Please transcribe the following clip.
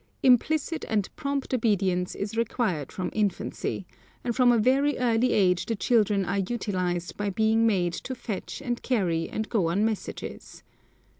Implicit and prompt obedience is required from infancy; and from a very early age the children are utilised by being made to fetch and carry and go on messages.